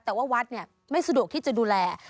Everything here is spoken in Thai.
แต่ว่าวัดไม่สะดวกที่จะดูแล